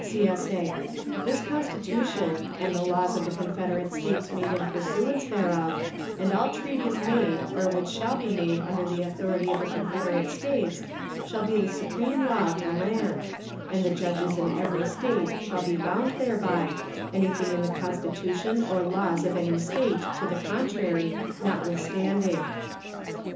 [CSA] This Constitution, and the laws of the Confederate States made in pursuance thereof, and all treaties made or which shall be made under the authority of the Confederate States, shall be the supreme law of the land; and the Judges in every State shall be bound thereby, anything in the Constitution or laws of any State to the contrary notwithstanding.